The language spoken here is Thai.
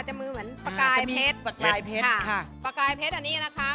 จะมีเหมือนปากกายเพชรปากกายเพชรอันนี้นะคะ